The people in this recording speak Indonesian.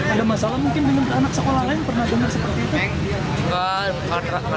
ada masalah mungkin dengan anak sekolah lain pernah dengar seperti bank